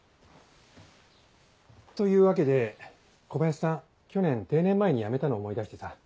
というわけで小林さん去年定年前に辞めたの思い出してさ。